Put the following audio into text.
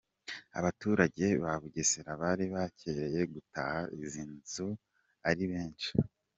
Abaturage ba Bugesera bari bakereye gutaha izi nzu ari benshi.